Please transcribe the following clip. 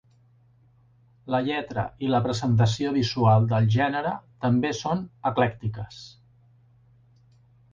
La lletra i la presentació visual del gènere també són eclèctiques.